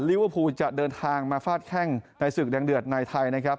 ลิเวอร์พูลจะเดินทางมาฟาดแข้งในศึกแดงเดือดในไทยนะครับ